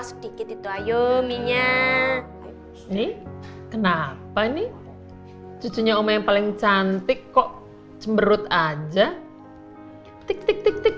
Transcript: sedikit itu ayo minyak nih kenapa nih cucunya oma yang paling cantik kok cemberut aja tiktik tiktik